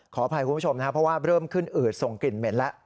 ขออภัยคุณผู้ชมนะครับเพราะว่าเริ่มขึ้นอืดส่งกลิ่นเหม็นแล้ว